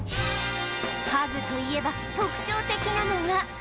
パグといえば特徴的なのが